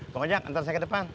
bang ojak ntar saya ke depan